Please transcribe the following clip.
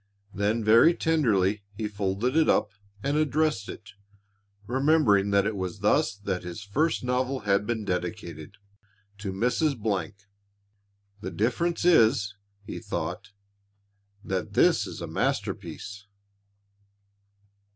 Then very tenderly he folded it up and addressed it, remembering that it was thus that his first novel had been dedicated "To Mrs. ." "The difference is," he thought, "that this is a masterpiece."